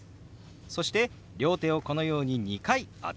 そして両手をこのように２回当てるようにします。